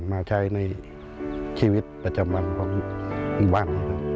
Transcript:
มาใช้ในชีวิตประจำวันของหมู่บ้าน